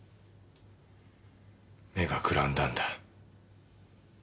目が眩んだんだ。